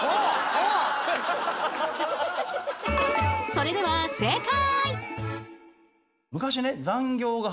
それでは正解！